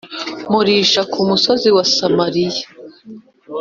murisha ku musozi wa Samariya?